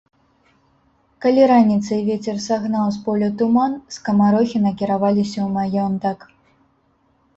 Калі раніцай вецер сагнаў з поля туман, скамарохі накіраваліся ў маёнтак.